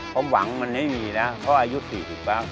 ผมหวังมันไม่มีนะเพราะอายุ๔๐ปะ